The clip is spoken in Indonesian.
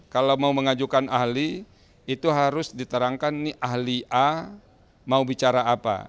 kalau mau mengajukan ahli itu harus diterangkan ini ahli a mau bicara apa